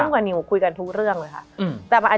มันทำให้ชีวิตผู้มันไปไม่รอด